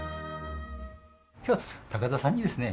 今日は高田さんにですね